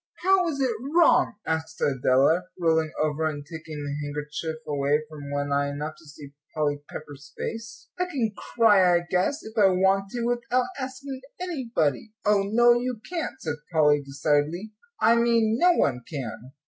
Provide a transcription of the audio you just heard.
"How is it wrong?" asked Adela, rolling over, and taking the handkerchief away from one eye enough to see Polly Pepper's face. "I can cry, I guess, if I want to, without asking anybody." "Oh, no, you can't," said Polly, decidedly. "I mean no one can."